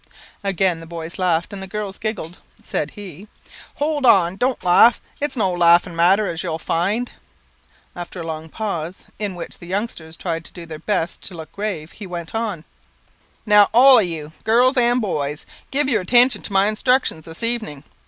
Again the boys laughed, and the girls giggled. Said he "Hold on, don't laugh; it's no laughing matter, as you'll find." After a long pause, in which the youngsters tried their best to look grave, he went on "Now all of you, girls and boys, give your attention to my instructions this evening.